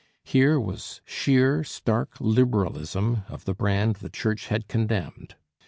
Here was sheer, stark Liberalism of the brand the Church had condemned.